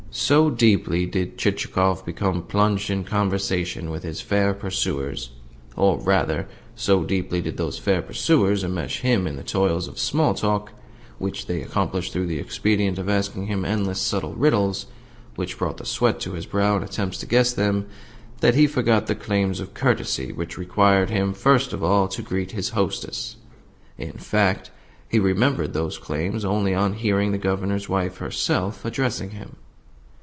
So deeply did Chichikov become plunged in conversation with his fair pursuers or rather, so deeply did those fair pursuers enmesh him in the toils of small talk (which they accomplished through the expedient of asking him endless subtle riddles which brought the sweat to his brow in his attempts to guess them) that he forgot the claims of courtesy which required him first of all to greet his hostess. In fact, he remembered those claims only on hearing the Governor's wife herself addressing him.